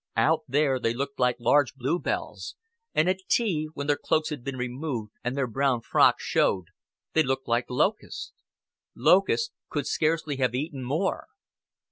Out there they looked like large bluebells; and at tea, when their cloaks had been removed and their brown frocks showed, they looked like locusts. Locusts could scarcely have eaten more.